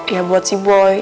ya buat si boy